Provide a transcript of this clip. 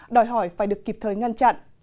đòi hỏi phải được kịp thời ngăn chặn